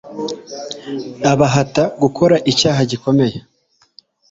abahata gukora icyaha gikomeye